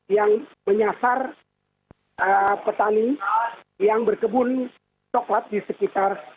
yang menyasar petani yang berkebun coklat di sekitar